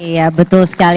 iya betul sekali